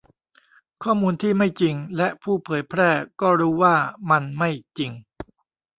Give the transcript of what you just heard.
ข้อมูลที่ไม่จริง และผู้เผยแพร่ก็รู้ว่ามันไม่จริง